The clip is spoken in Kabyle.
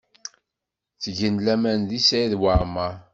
Ttgen laman deg Saɛid Waɛmaṛ.